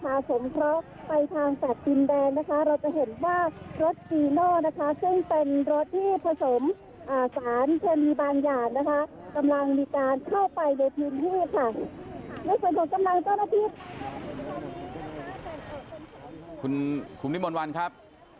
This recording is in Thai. กำลังมีการเข้าไปในพื้นพี่ค่ะคุณวิมวลวันครับ